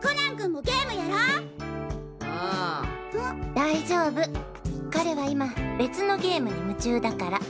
大丈夫彼は今別のゲームに夢中だから。